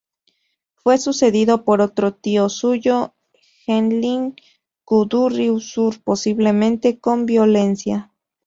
Fue sucedido por otro tío suyo, Enlil-kudurri-usur, posiblemente con violencia.